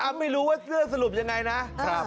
ไม่รู้ว่าเสื้อสรุปยังไงนะ